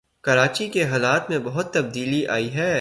کراچی کے حالات میں بہت تبدیلی آئی ہے